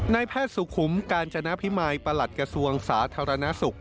นายแพทย์สุขุมกาญจนพิมัยประหลัดกระทรวงสาธารณสุข